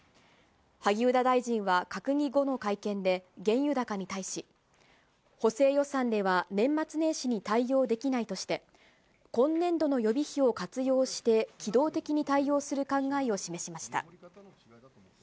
萩生田大臣は閣議後の会見で、原油高に対し、補正予算では年末年始に対応できないとして、今年度の予備費を活用して、機動的に対応する考えを示しました。